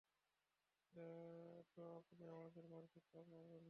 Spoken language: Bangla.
তো আপনি আমাদের মারপিট থামাবেন না?